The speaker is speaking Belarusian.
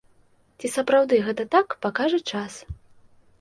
Ці сапраўды гэта так, пакажа час.